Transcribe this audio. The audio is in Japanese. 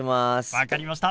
分かりました！